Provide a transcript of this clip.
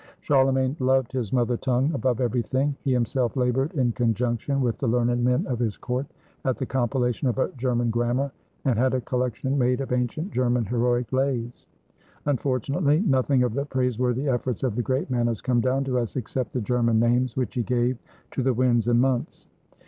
Charlemagne loved his mother tongue above every thing. He himself labored, in conjunction with the learned men of his court, at the compilation of a German grammar, and had a collection made of ancient German heroic lays. Unfortunately nothing of the praiseworthy efforts of the great man has come down to us except the German names which he gave to the winds and months.